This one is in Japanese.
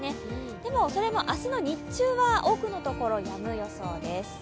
でも、それも明日の日中は多くの所でやむ予想です。